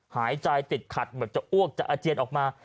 หายใจติดขัดเหมือนจะอ้วกจะอาเจียนออกมา